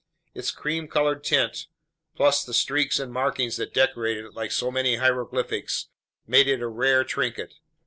Its cream colored tint, plus the streaks and markings that decorated it like so many hieroglyphics, made it a rare trinket.